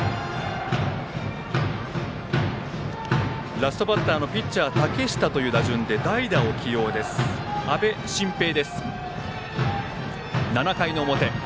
ラストバッターのピッチャー竹下という場面で代打を起用です、阿部慎平です。